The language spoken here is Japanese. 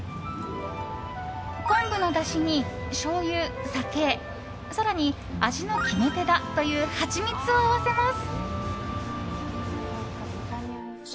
昆布のだしに、しょうゆ、酒更に、味の決め手だというハチミツを合わせます。